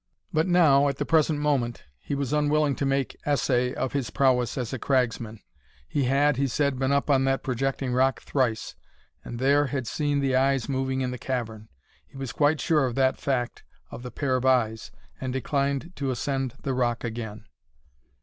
But now, at the present moment, he was unwilling to make essay of his prowess as a cragsman. He had, he said, been up on that projecting rock thrice, and there had seen the eyes moving in the cavern. He was quite sure of that fact of the pair of eyes, and declined to ascend the rock again.